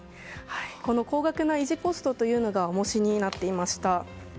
この高額な維持コストが重荷になっていました。